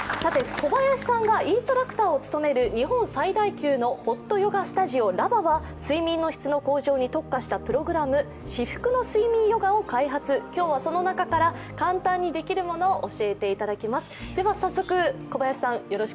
小林さんがインストラクターを務める日本最大のホットヨガスタジオのＬＡＶＡは睡眠の質の向上に特化したプログラム至福の睡眠ヨガを開発、今日はその中から簡単にできるものを教えていただきます。